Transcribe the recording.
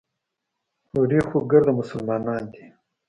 هورې خو ګرده مسلمانان دي.